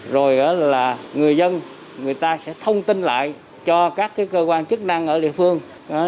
rồi là người dân người ta sẽ thông tin lại cho các cơ quan chức năng ở địa phương